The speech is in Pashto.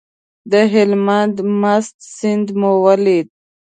د هلمند مست سیند مو ولید.